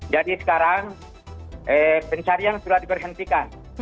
jadi sekarang pencarian sudah diberhentikan